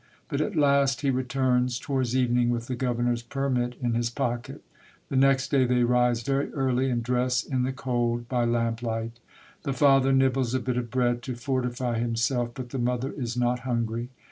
But at last he returns towards evening with the Governor's permit in his pocket. The next day they rise very early, and dress in the cold, by lamp light. The father nibbles a bit of bread, to fortify himself, but the mother is not hungry.